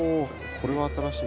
これは新しい。